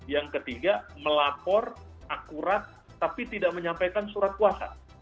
yang ketiga melapor akurat tapi tidak menyampaikan surat kuasa